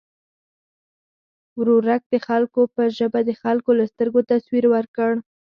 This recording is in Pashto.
ورورک د خلکو په ژبه د خلکو له سترګو تصویر ورکړ.